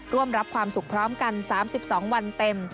ร่วมรับความสุขพร้อมกัน๓๒วันเต็ม